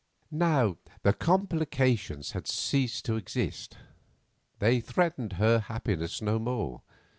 Now the complications had ceased to exist; they threatened her happiness no more.